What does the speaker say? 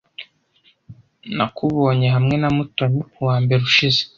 Nakubonye hamwe na Mutoni kuwa mbere ushize.